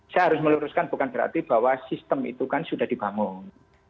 saya harus meluruskan bukan berarti bahwa sistem itu kan sudah dibangun